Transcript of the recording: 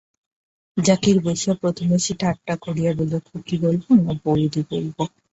জাকিয়া বসিয়া প্রথমেই সে ঠাট্টা করিয়া বলিল, খুকি বলব, না বৌদি বলব?